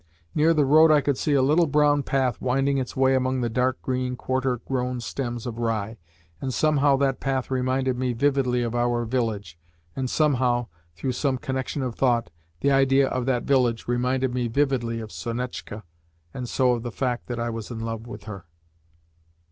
Near the road I could see a little brown path winding its way among the dark green, quarter grown stems of rye, and somehow that path reminded me vividly of our village, and somehow (through some connection of thought) the idea of that village reminded me vividly of Sonetchka, and so of the fact that I was in love with her.